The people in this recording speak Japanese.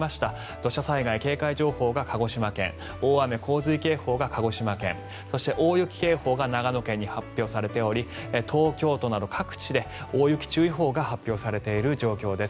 土砂災害警戒情報が鹿児島県大雨・洪水警報が鹿児島県そして、大雪警報が長野県に発表されており東京都など各地で大雪注意報が発表されている状況です。